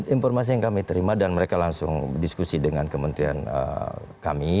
informasi yang kami terima dan mereka langsung diskusi dengan kementerian kami